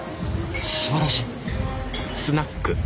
すばらしい！